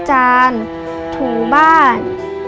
หูบ้าน